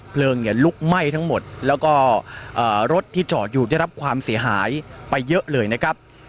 เพลิงเนี่ยลุกไหม้ทั้งหมดแล้วก็รถที่จอดอยู่ได้รับความเสียหายไปเยอะเลยนะครับ